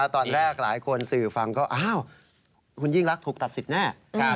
ตอนแรกหลายคนสื่อฟังก็อ้าวคุณยิ่งรักถูกตัดสิทธิ์แน่